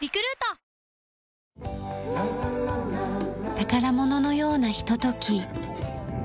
宝物のようなひととき。